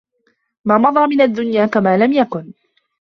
مَا مَضَى مِنْ الدُّنْيَا كَمَا لَمْ يَكُنْ